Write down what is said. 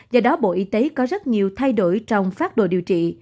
do đó bộ y tế có rất nhiều thay đổi trong phát đồ điều trị